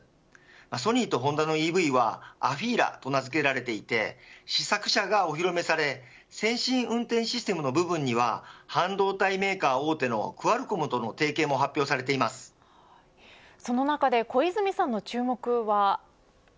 ソニーとホンダのＥＶはＡＦＥＥＬＡと名付けられていて試作車がお披露目され先進運転システムの部分には半導体メーカー大手のクアルコムとの提携もその中で、小泉さんの注目は。